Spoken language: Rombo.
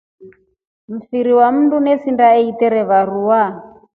Mfiri wa mruwa tuishinda niterewa ruwa.